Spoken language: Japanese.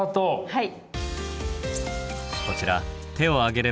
はい。